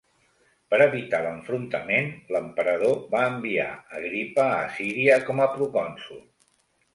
Per evitar l'enfrontament, l'emperador va enviar Agripa a Síria com a procònsol.